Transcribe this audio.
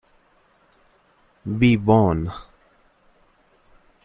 We won!